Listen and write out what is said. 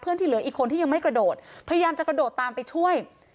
ที่เหลืออีกคนที่ยังไม่กระโดดพยายามจะกระโดดตามไปช่วย